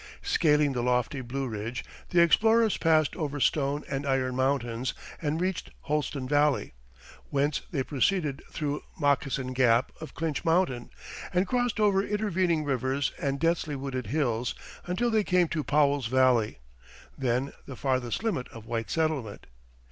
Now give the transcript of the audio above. Scaling the lofty Blue Ridge, the explorers passed over Stone and Iron Mountains and reached Holston Valley, whence they proceeded through Moccasin Gap of Clinch Mountain, and crossed over intervening rivers and densely wooded hills until they came to Powell's Valley, then the farthest limit of white settlement.